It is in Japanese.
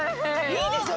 いいでしょ？